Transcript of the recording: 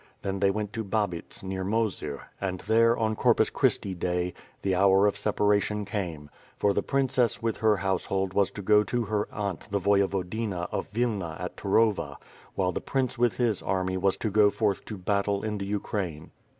Then they went to Babits, near Mozyr and there, on Corpus Ohristi Day, the hour of separ ation came; for the princess with her household was to go to her aunt the Voyevodina of Willna at Turova, while the prince with his army was to go forth to battle in the Ukraine.